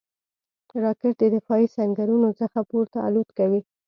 راکټ د دفاعي سنګرونو څخه پورته الوت کوي